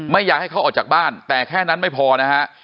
อยากให้เขาออกจากบ้านแต่แค่นั้นไม่พอนะฮะ